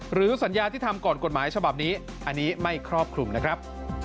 หรือสัญญาที่ทำก่อนกฎหมายฉบับนี้อันนี้ไม่ครอบคลุมนะครับ